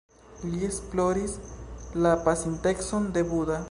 Li esploris la pasintecon de Buda.